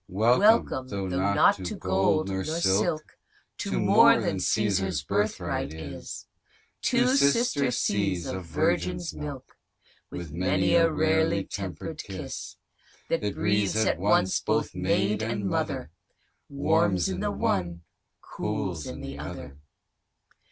Welcome, though not to gold, nor silk, To more than Cæsar's birthright is, Two sister seas of virgin's milk, WIth many a rarely temper'd kiss, That breathes at once both maid and mother, Warms in the one, cools in the other.